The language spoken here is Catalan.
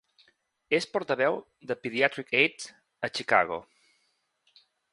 És portaveu de Pediatric Aids a Chicago.